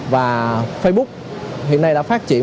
và facebook hiện nay đã phát triển